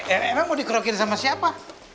eh emang mau dikrokin sama siapa